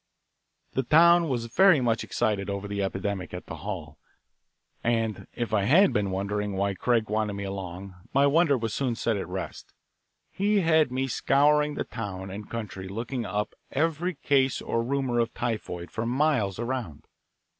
The town was very much excited over the epidemic at the hall, and if I had been wondering why Craig wanted me along my wonder was soon set at rest. He had me scouring the town and country looking up every case or rumour of typhoid for miles around.